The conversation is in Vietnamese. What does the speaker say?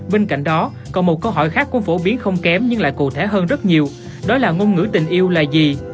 bên cạnh đó còn một câu hỏi khác cũng phổ biến không kém nhưng lại cụ thể hơn rất nhiều đó là ngôn ngữ tình yêu là gì